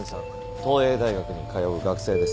東英大学に通う学生です。